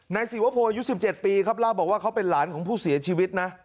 ศิวโพอายุ๑๗ปีครับเล่าบอกว่าเขาเป็นหลานของผู้เสียชีวิตนะ